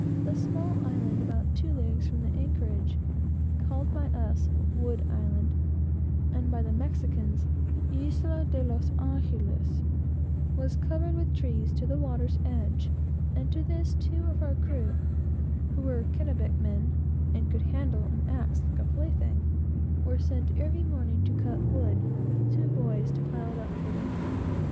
A small island, situated about two leagues from the anchorage, called by us "Wood Island," and by the Spaniards "Isle de los Angelos," was covered with trees to the water's edge; and to this, two of our crew, who were Kennebec men, and could handle an axe like a plaything, were sent every morning to cut wood, with two boys to pile it up for them.